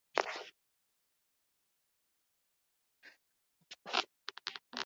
kati kati mwa tanzania morogoro